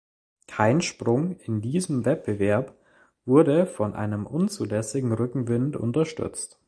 Kein Sprung in diesem Wettbewerb wurde von einem unzulässigen Rückenwind unterstützt.